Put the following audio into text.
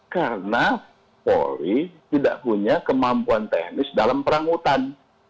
karena polri tidak punya kemampuan teknis dalam perang hutan